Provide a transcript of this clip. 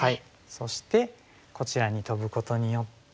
そしてこちらにトブことによって。